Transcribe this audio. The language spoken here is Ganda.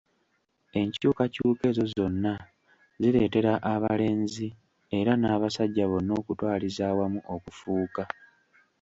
Enkyukakyuka ezo zonna zireetera abalenzi era n'abasajja bonna okutwaliza awamu okufuuka.